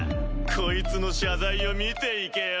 こいつの謝罪を見ていけよ。